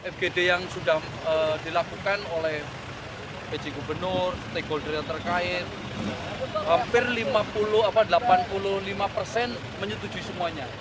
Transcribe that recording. fgd yang sudah dilakukan oleh pj gubernur stakeholder yang terkait hampir delapan puluh lima persen menyetujui semuanya